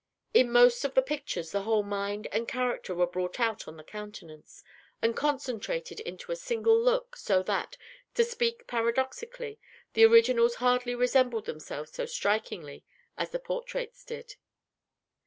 In most of the pictures, the whole mind and character were brought out on the countenance, and concentrated into a single look, so that, to speak paradoxically, the originals hardly resembled themselves so strikingly as the portraits did.